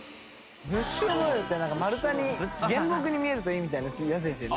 ブッシュ・ド・ノエルってなんか丸太に原木に見えるといいみたいなやつですよね。